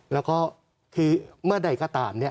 แล้วก็คือเมื่อใดก็ตามเนี่ย